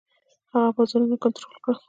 هغه بازارونه کنټرول کړل.